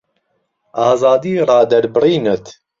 ئازادی ڕادەربڕینت